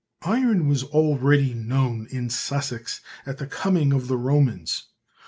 Iron was already known in Sussex at the coming of the Romans.